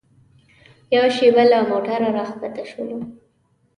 یوه شېبه له موټره راښکته شولو.